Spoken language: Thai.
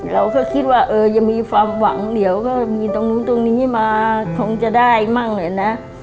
เราก็คิดว่าเออยังมีความหวังเดี๋ยวก็มีตรงนู้นตรงนี้มาคงจะได้มั่งเลยนะ